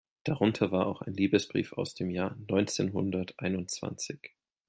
Darunter war auch ein Liebesbrief aus dem Jahr neunzehnhunderteinundzwanzig.